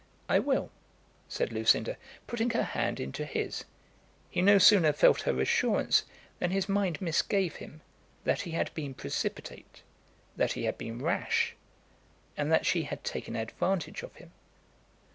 "I will," said Lucinda, putting her hand into his. He no sooner felt her assurance than his mind misgave him that he had been precipitate, that he had been rash, and that she had taken advantage of him.